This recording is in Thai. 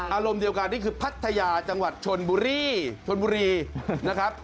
อารมณ์เดียวกันนี่คือพัทยาจังหวัดชนบุรีชนบุรีนะครับ